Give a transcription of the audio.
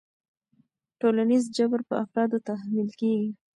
ټولنیز جبر په افرادو تحمیل کېږي.